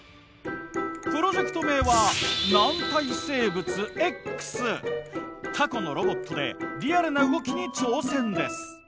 プロジェクト名はタコのロボットでリアルな動きに挑戦です。